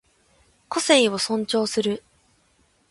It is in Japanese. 個性を尊重する